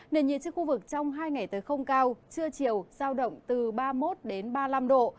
nền nhiệt trên khu vực trong hai ngày tới không cao trưa chiều giao động từ ba mươi một ba mươi năm độ